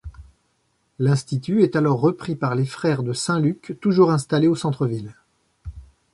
L'institut est alors repris par les frères de Saint-Luc toujours installés au centre-ville.